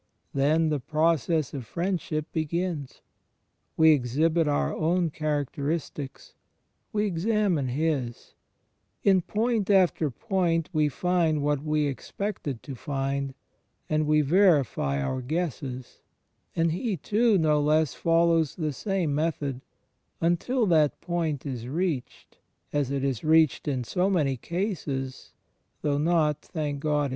Then the process of friendship begins; we exhibit our own characteristics; we examine his: in point after point we find what we expected to find, and we verify our guesses; and he too, no less, follows the same method, imtil that point is reached (as it is reached in so many cases, though not, thank God!